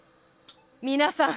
皆さん